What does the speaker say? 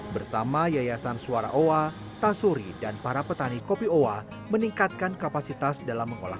bersama yayasan suara owa tasuri dan para petani kopi owa meningkatkan kapasitas dalam mengolah